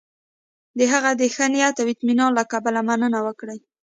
د هغه د ښه نیت او اطمینان له کبله مننه وکړي.